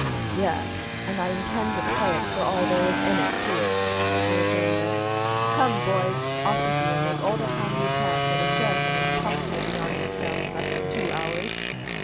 "Yes, and I intend to play it for all there is in it, too," was the rejoinder. "Come, boys, off with you, and make all the time you can, for the sheriff and his posse will be on your trail in less than two hours."